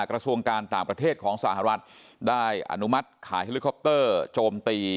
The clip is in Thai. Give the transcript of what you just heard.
กระทรวงการต่างประเทศของสหรัฐได้อนุมัติขายเฮลิคอปเตอร์โจมตี